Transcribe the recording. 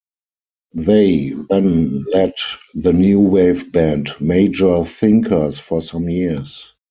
They then led the new wave band Major Thinkers for some years.